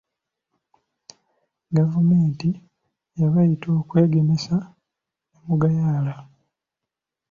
Gavumenti yabayita okwegemesa ne mugayaala.